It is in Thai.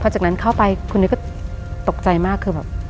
จากนั้นเข้าไปคุณนิดก็ตกใจมากคือแบบ